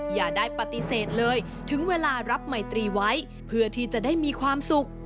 อย่าได้ปฏิเสธเลยถึงเวลารับไมตรีไว้เพื่อที่จะได้มีความสุข